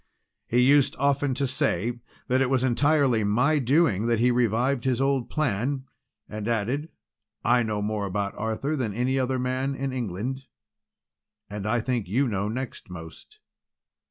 "He used often to say that it was entirely my doing that he revived his old plan, and added, 'I know more about Arthur than any other man in England, and I think you know next most.'